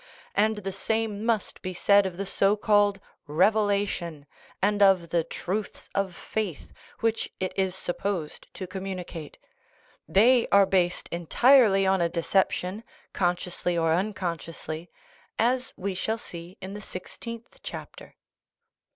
And the same must be said of the so called "revelation/' and of the " truths of faith" which it is supposed to communicate; they are based entirely on a deception, consciously or uncon sciously, as we shall see in the sixteenth chapter.